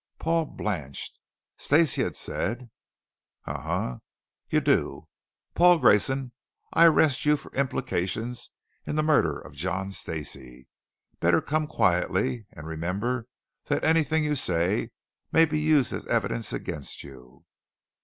Paul blanched. Stacey had said "Uh huh. Y'do. Paul Grayson, I arrest you for implications in the murder of John Stacey. Better come quietly. And remember that anything you say may be used as evidence against you!"